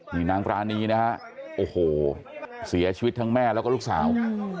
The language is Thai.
นี่นางปรานีนะฮะโอ้โหเสียชีวิตทั้งแม่แล้วก็ลูกสาว